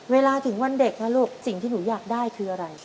เวลาถึงวันเด็กนะลูกสิ่งที่หนูอยากได้คืออะไร